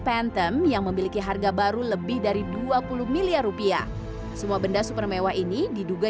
pentem yang memiliki harga baru lebih dari dua puluh miliar rupiah semua benda super mewah ini diduga